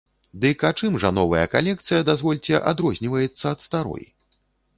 Дык а чым жа новая калекцыя, дазвольце, адрозніваецца ад старой?